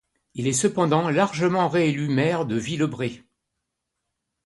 Il est cependant largement réélu maire de Villebret.